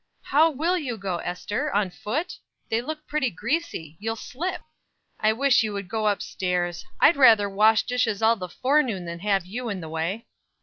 "How will you go, Ester? On foot? They look pretty greasy; you'll slip." "I wish you would go up stairs. I'd rather wash dishes all the forenoon than have you in the way."